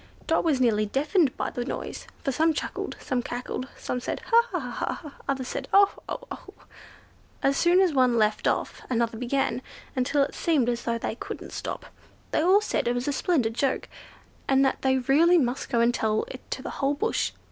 Dot was nearly deafened with the noise; for some chuckled, some cackled; some said, "Ha! ha! ha!" others said, "Oh! oh! oh!" and as soon as one left off, another began, until it seemed as though they couldn't stop. They all said it was a splendid joke, and that they really must go and tell it to the whole bush.